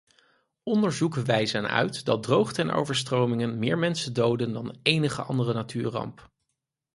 Onderzoeken wijzen uit dat droogte en overstromingen meer mensen doden dan enige andere natuurramp.